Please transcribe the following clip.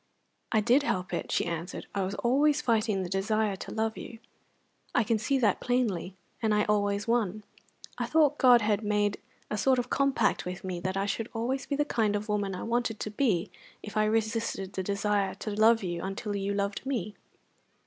"I did help it," she answered. "I was always fighting the desire to love you, I can see that plainly, and I always won. I thought God had made a sort of compact with me that I should always be the kind of woman I wanted to be if I resisted the desire to love you until you loved me."